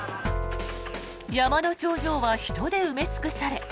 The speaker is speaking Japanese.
山の頂上は人で埋め尽くされ